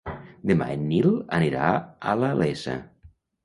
Demà en Nil anirà a la Iessa.